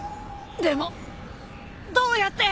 でもどうやって。